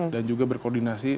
dan juga berkoordinasi